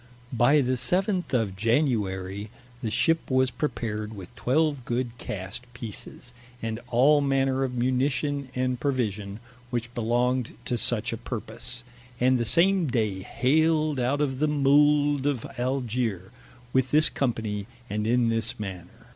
By the seventh of Januarie, the ship was prepared with twelve good cast Pieces, and all manner of munition and provision, which belonged to such a purpose, and the same day haled out of the Mould of Algier, with this company, and in this manner.